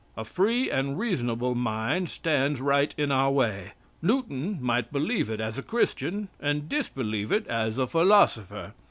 A free and reasonable mind stands right in our way. Newton might believe it as a Christian and disbelieve it as a philosopher.